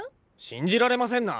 信じられませんな。